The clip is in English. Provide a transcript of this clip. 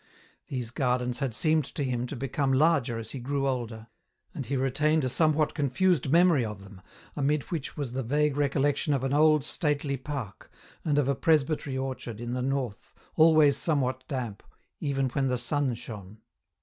These gardens had seemed to him to become larger as he grew older, and he retained a somewhat con fused memory of them, amid which was the vague recollec tion of an old stately park, and of a presbytery orchard in the north, always somewhat damp, even when the sun shone.